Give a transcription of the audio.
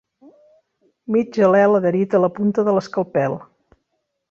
Mig al·lel adherit a la punta de l'escalpel.